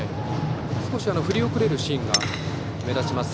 少し振り遅れるシーンが目立ちます。